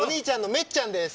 めっちゃんです。